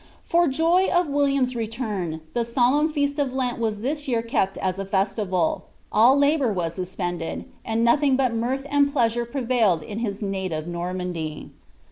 For joy of William's retun tlic sulFinn &3t of Lent was this year kept as a festival ; all labour vnt naspenOnl. aiiil nothing but mirth and pleasure prevailed in his nittiTfe Xnnnanily.'